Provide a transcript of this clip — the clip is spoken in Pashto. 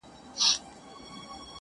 نوي خبرونه د دې کيسې ځای نيسي هر ځای,